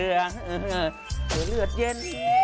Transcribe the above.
คือเลือดเย็น